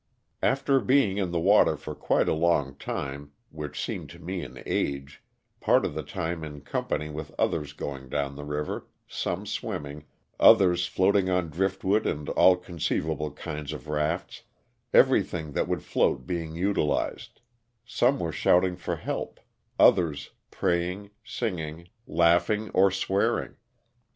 After being in the water for quite a long time, which seemed to me an age, part of the time in com pany with others going down the river, some swimming, others floating on driftwood and all conceivable kinds of rafts, everything that would float being utilized; some were shouting for help, others praying, singing, 17 130 LOSS OF THE SULTANA. laughing, or swearing.